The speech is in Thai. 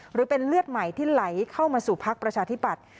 หรือเป็นเลือดใหม่ที่ไหลเข้ามาสู่พักประชาธิบัติ